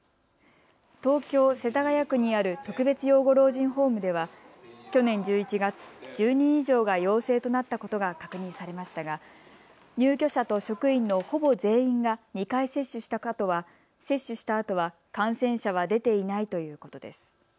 東京世田谷区にある特別養護老人ホームでは去年１１月、１０人以上が陽性となったことが確認されましたが入居者と職員のほぼ全員が２回接種したあとは感染者は出ていないということです。